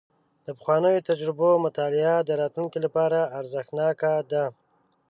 د پخوانیو تجربو مطالعه د راتلونکي لپاره ارزښتناکه ده.